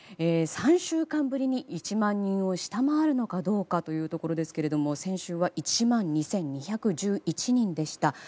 ３週間ぶりに１万人を下回るのかどうかというところですが先週は１万２２１１人でした。